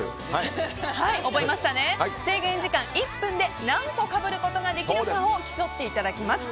制限時間１分で何個かぶることができるかを競っていただきます。